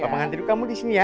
papa ngantri kamu disini ya